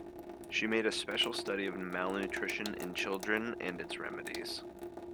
She made a special study of malnutrition in children and its remedies.